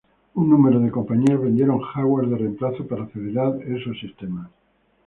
Un número de compañías vendieron hardware de reemplazo para acelerar esos sistemas.